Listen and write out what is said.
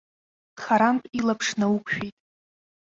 Харантә илаԥш науқәшәеит.